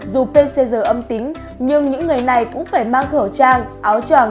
dù pcr âm tính nhưng những người này cũng phải mang khẩu trang áo tràng